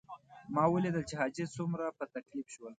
ما ولیدل چې حاجي څومره په تکلیف شول.